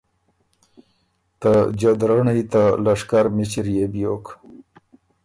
ته جدرنړی ته لشکر مِݭِر يې بیوک۔